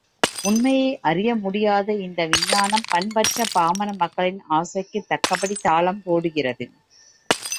உண்மையை அறிய முடியாத இந்த விஞ்ஞானம் பண்பற்ற பாமர மக்களின் ஆசைக்குத் தக்கபடி தாளம் போடுகிறது.